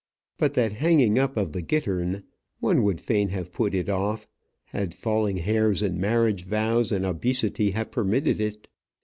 But that hanging up of the gittern . One would fain have put it off, had falling hairs, and marriage vows, and obesity have permitted it.